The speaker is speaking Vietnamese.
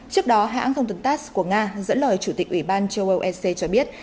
trước đó hãng thông tin tass của nga dẫn lời chủ tịch ủy ban châu âu sc cho biết